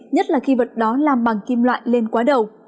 nhất là khi vật đó làm bằng kim loại lên quá đầu